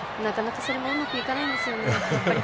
なかなか、それもうまくいかないんですよね